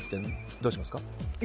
どうしますか？